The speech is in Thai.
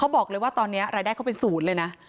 บอกเลยว่าตอนนี้รายได้เขาเป็นศูนย์เลยนะ